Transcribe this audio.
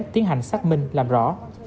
tiến hành xác minh làm rõ